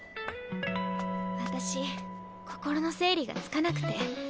私心の整理がつかなくて。